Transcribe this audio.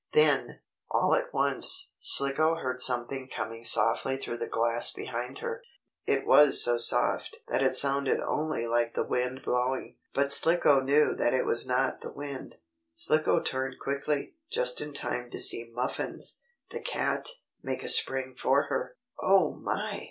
Then, all at once, Slicko heard something coming softly through the grass behind her. It was so soft that it sounded only like the wind blowing, but Slicko knew that it was not the wind. Slicko turned quickly, just in time to see Muffins, the cat, make a spring for her. "Oh my!"